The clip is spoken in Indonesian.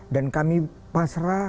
dan kami pasrah